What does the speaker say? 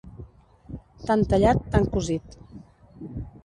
Tant tallat, tant cosit.